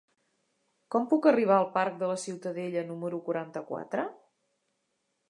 Com puc arribar al parc de la Ciutadella número quaranta-quatre?